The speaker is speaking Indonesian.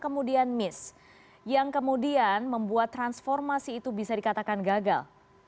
kemudian miss yang kemudian membuat transformasi itu bisa dikatakan gagal